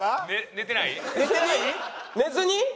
寝ずに？